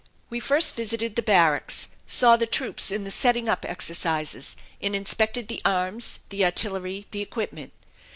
We first visited the barracks, saw the troops in the setting up exercises, and inspected the arms, the artillery, the equipment.